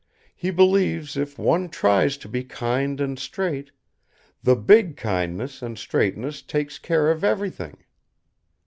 He believes if one tries to be kind and straight, the big Kindness and Straightness takes care of everything.